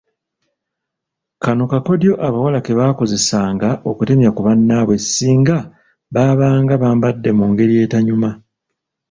Kano kakodyo abawala ke baakozesanga okutemya ku bannaabwe singa baabanga bambadde mu ngeri etanyuma.